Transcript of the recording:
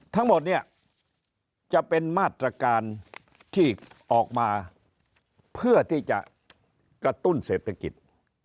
ทั้งหมดเนี่ยจะเป็นมาตรการที่ออกมาเพื่อที่จะกระตุ้นเศรษฐกิจ